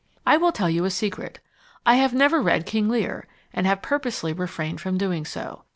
I will tell you a secret. I have never read King Lear, and have purposely refrained from doing so.